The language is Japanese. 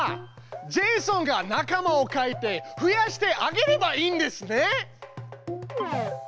ジェイソンが仲間を描いて増やしてあげればいいんですね！